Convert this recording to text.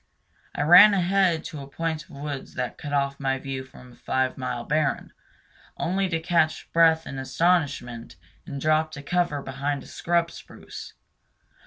I ran ahead to a point of woods that cut off my view from a five mile barren, only to catch breath in astonishment and drop to cover behind a scrub spruce.